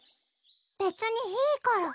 べつにいいから。